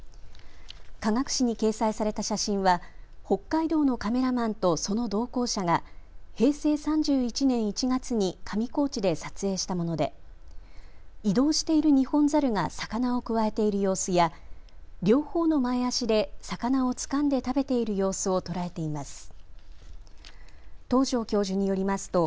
科学誌に掲載された写真は北海道のカメラマンとその同行者が平成３１年１月に上高地で撮影したもので移動しているニホンザルが魚をくわえている様子や両方の前足で魚をつかんで食べている様子を捉えています。